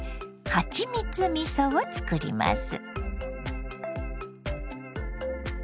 はちみつみそを塗ります。